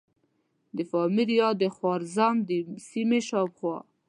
د پامیر یا د خوارزم د سیمې شاوخوا.